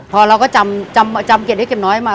พอเราก็จำเกียรติให้เก็บน้อยมา